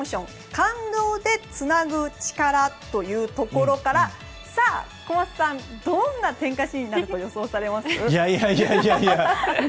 感動でつなぐ力というところから小松さん、どんな点火シーンになると予想されますか？